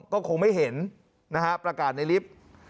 ก็คงไม่เห็นนะฮะประกาศในลิฟต์